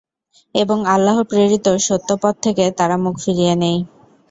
এবং আল্লাহ প্রেরিত সত্যপথ থেকে তারা মুখ ফিরিয়ে নেয়।